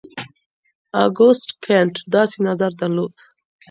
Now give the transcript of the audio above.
اګوست کنت داسې نظر درلود.